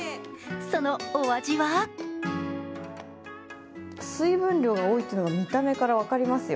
そのお味は水分量が多いというのが見た目から分かりますよ。